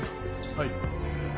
はい。